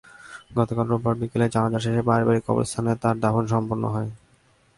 গতকাল রোববার বিকেলে জানাজা শেষে পারিবারিক কবরস্থানে তাঁর দাফন সম্পন্ন হয়।